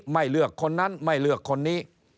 ไม่เลือกคนนั้นไม่เลือกคนนี้